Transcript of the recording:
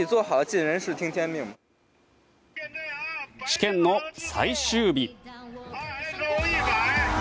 試験の最終日。